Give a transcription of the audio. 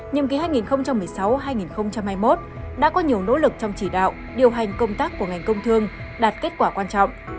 nhiệm ký hai nghìn một mươi sáu hai nghìn hai mươi một đã có nhiều nỗ lực trong chỉ đạo điều hành công tác của ngành công thương đạt kết quả quan trọng